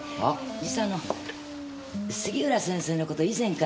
実はあの杉浦先生の事以前から。